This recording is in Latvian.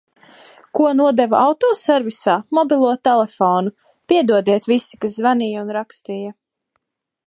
Ko nodevu autoservisā, mobilo telefonu. Piedodiet visi, kas zvanīja un rakstīja.